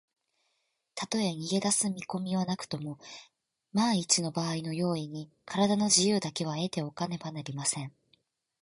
たとえ逃げだす見こみはなくとも、まんいちのばあいの用意に、からだの自由だけは得ておかねばなりません。